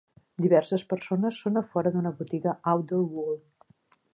Diverses persones són a fora d'una botiga Outdoor World.